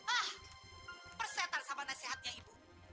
ah persentase sama nasihatnya ibu